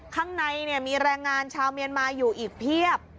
ข้างในมีแรงงานชาวเมียนมาอยู่อีกเพียบ